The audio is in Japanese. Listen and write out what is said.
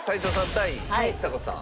対ちさ子さん。